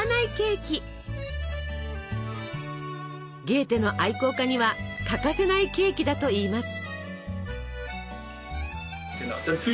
ゲーテの愛好家には欠かせないケーキだといいます。